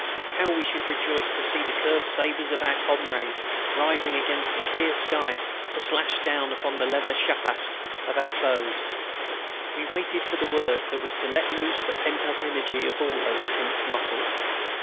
How we should rejoice to see the curved sabres of our comrades rising against the clear sky to slash down upon the leather schapskas of our foe! We waited for the word that was to let loose the pent up energy of all those tense muscles.